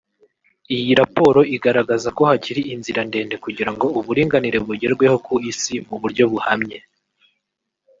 Iyi raporo igaragaza ko hakiri inzira ndende kugira ngo uburinganire bugerweho ku Isi mu buryo buhamye